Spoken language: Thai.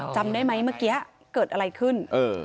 จำได้ไหมเมื่อกี้เกิดอะไรขึ้น